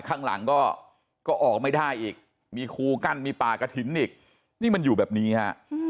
ข้างหลังก็ออกไม่ได้อีกมีคูกั้นมีป่ากระถิ่นอีกนี่มันอยู่แบบนี้ฮะ